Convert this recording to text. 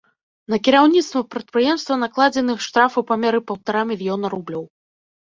На кіраўніцтва прадпрыемства накладзены штраф у памеры паўтара мільёна рублёў.